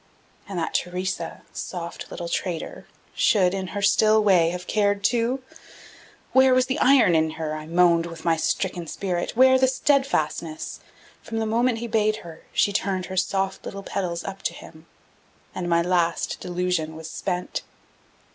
And that Theresa, soft little traitor, should, in her still way, have cared too! Where was the iron in her, I moaned within my stricken spirit, where the steadfastness? From the moment he bade her, she turned her soft little petals up to him and my last delusion was spent.